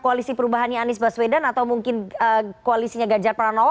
atau mungkin koalisinya ganjar pranowo